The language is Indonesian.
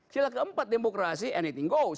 sila keempat demokrasi anything gos